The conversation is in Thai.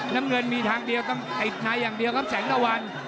น้ำเงินมีทางเดียวกับแสงตะวัน